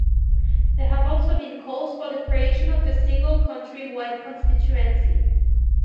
There have also been calls for the creation of a single, country-wide constituency.